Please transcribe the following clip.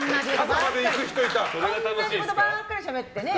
同じことばっかりしゃべってね。